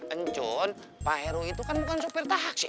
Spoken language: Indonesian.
encon pak heru itu kan bukan supir taksi